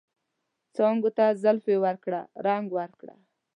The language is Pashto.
څانګو ته زلفې ورکړه ، رنګ ورکړه